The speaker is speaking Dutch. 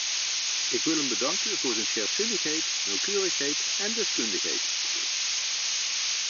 Ik wil hem bedanken voor zijn scherpzinnigheid, nauwkeurigheid en deskundigheid.